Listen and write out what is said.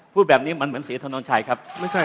พูดแบบนี้เหมือนสีอาทารณณชัยครับ